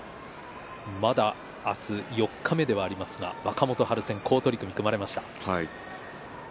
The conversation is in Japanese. まだ明日四日目ではありますが若元春戦が組まれています。